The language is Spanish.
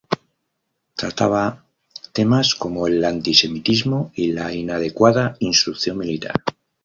Trataba temas como el antisemitismo y la inadecuada instrucción militar.